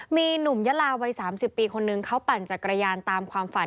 มีหนุ่มยะลาวัย๓๐ปีคนนึงเขาปั่นจักรยานตามความฝัน